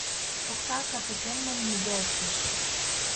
Окса катыкеммым нигӧ ок шиж.